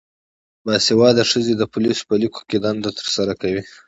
باسواده ښځې د پولیسو په لیکو کې دنده ترسره کوي.